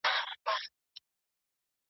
شاعرانو ويلي دي چي هره ټولنه خپل خاصيتونه لري.